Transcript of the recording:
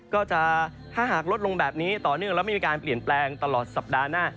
ก็จะถ้าหากลดลงแบบนี้ต่อเนื่องแล้วไม่มีการเปลี่ยนแปลงตลอดสัปดาห์หน้า